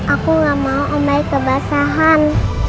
aku gak mau umai kebasahan